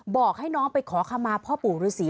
บอกให้น้องไปขอคำมาพ่อปู่ฤษี